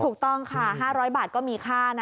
ถูกต้องค่ะ๕๐๐บาทก็มีค่านะ